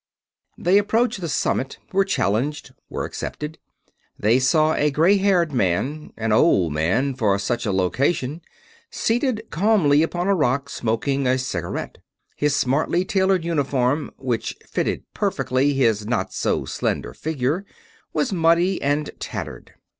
They approached the summit, were challenged, were accepted. They saw a gray haired man an old man, for such a location seated calmly upon a rock, smoking a cigarette. His smartly tailored uniform, which fitted perfectly his not so slender figure, was muddy and tattered.